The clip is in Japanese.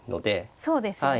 そうですよね。